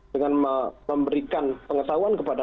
dengan memberikan pengesahuan kepada